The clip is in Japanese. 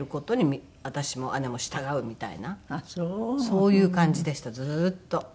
そういう感じでしたずっと。